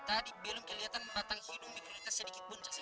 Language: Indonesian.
tadi belum kelihatan batang hidung mikrolednya sedikitpun cak semin